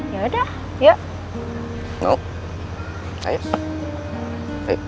ya udah yuk mau saya